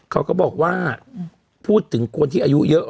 เขาก็บอกว่าพูดถึงคนที่อายุเยอะ